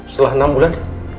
setelah enam bulan